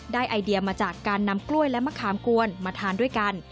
ไอเดียมาจากการนำกล้วยและมะขามกวนมาทานด้วยกัน